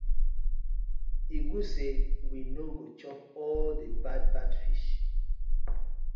E good say we no go chop all the bad bad fish.